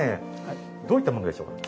どういったものでしょうか？